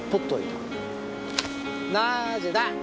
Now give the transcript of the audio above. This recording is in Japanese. なぜだ？